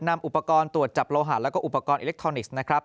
นำอุปกรณ์ตรวจจับโลหัสและอุปกรณ์อิเล็กทรอนิกส์